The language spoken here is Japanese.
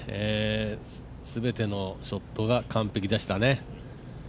全てのショットが完璧でしたね。